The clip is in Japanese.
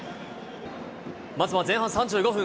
まずは前半３５分。